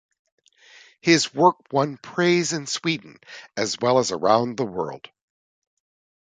His work won praise in Sweden as well as around the world.